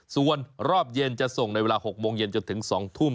ส่วนรอบเย็นจะส่งในเวลา๖โมงเย็นจนถึง๒ทุ่ม